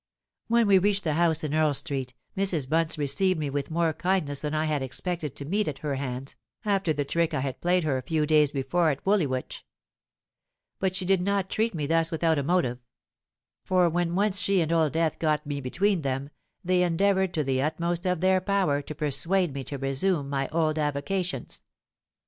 "When we reached the house in Earl Street, Mrs. Bunce received me with more kindness than I had expected to meet at her hands, after the trick I had played her a few days before at Woolwich. But she did not treat me thus without a motive; for when once she and Old Death got me between them, they endeavoured to the utmost of their power to persuade me to resume my old avocations.